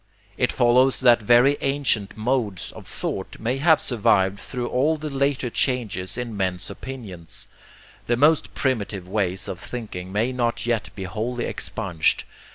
It follows that very ancient modes of thought may have survived through all the later changes in men's opinions. The most primitive ways of thinking may not yet be wholly expunged.